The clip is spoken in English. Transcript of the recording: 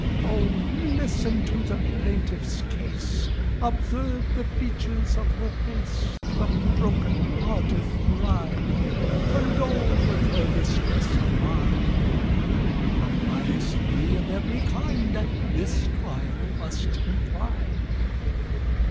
Oh, listen to the plaintiff's case: Observe the features of her face— The broken hearted bride! Condole with her distress of mind— From bias free of every kind, This trial must be tried!